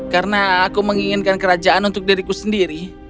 karena aku menginginkan kerajaan untuk diriku sendiri